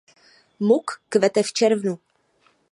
Muk kvete v červnu.